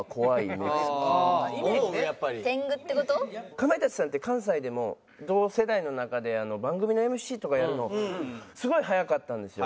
かまいたちさんって関西でも同世代の中で番組のＭＣとかやるのすごい早かったんですよ。